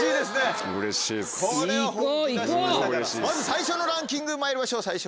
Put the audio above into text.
まず最初のランキングまいりましょう。